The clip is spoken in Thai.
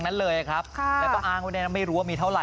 เมื่อเวลาเมื่อเวลาเมื่อเวลาเมื่อเวลาเมื่อเวลา